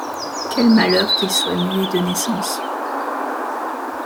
Quel malheur qu’il soit muet de naissance